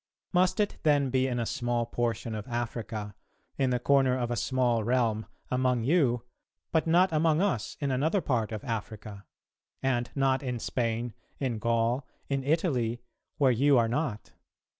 Must it then be in a small portion of Africa, in the corner of a small realm, among you, but not among us in another part of Africa? And not in Spain, in Gaul, in Italy, where you are not?